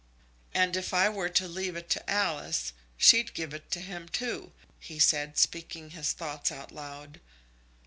"And if I were to leave it to Alice, she'd give it to him too," he said, speaking his thoughts out loud.